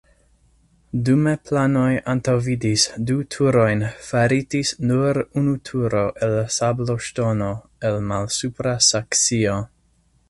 Dume planoj antaŭvidis du turojn faritis nur unu turo el sabloŝtono el Malsupra Saksio.